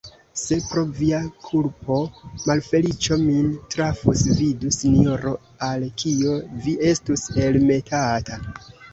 Se, pro via kulpo, malfeliĉo min trafus, vidu, sinjoro, al kio vi estus elmetata!